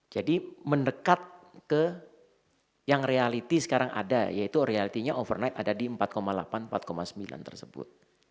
jadi mendekat ke yang reality sekarang ada yaitu reality nya overnight ada di empat delapan empat sembilan tersebut